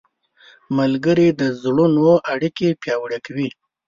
ملګري د زړونو اړیکې پیاوړې کوي.